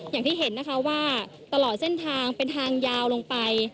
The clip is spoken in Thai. อย่างที่เห็นนะคะว่าตลอดเส้นทางเป็นทางยาวลงไป